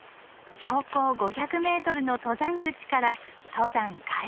標高５００ｍの登山口から登山開始。